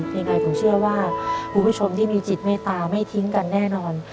ยังไงผมเชื่อว่าคุณผู้ชมที่มีจิตเมตตาไม่ทิ้งกันแน่นอน